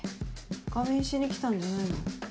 仮眠しに来たんじゃないの？